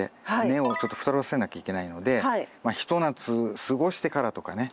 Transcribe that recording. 根をちょっと太らせなきゃいけないのでひと夏過ごしてからとかね。